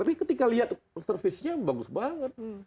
tapi ketika lihat servisnya bagus banget